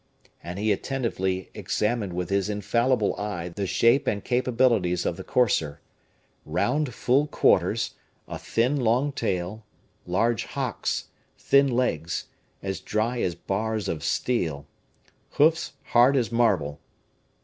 And he attentively examined with his infallible eye the shape and capabilities of the courser. Round full quarters a thin long tail large hocks thin legs, as dry as bars of steel hoofs hard as marble.